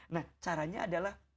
nah caranya adalah